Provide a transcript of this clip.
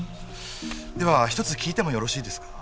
では一つ聞いてもよろしいですか？